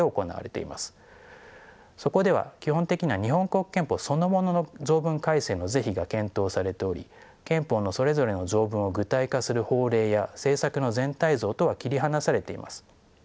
そこでは基本的には日本国憲法そのものの条文改正の是非が検討されており憲法のそれぞれの条文を具体化する法令や政策の全体像とは切り離されています。